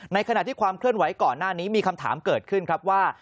ขณะที่ความเคลื่อนไหวก่อนหน้านี้มีคำถามเกิดขึ้นครับว่า